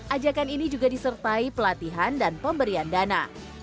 ajakan ini juga disertai pelatihan dan pemberian dana